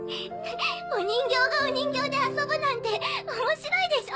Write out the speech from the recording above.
お人形がお人形で遊ぶなんて面白いでしょ？